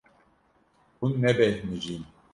Hûn nebêhnijîn.